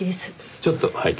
ちょっと拝見。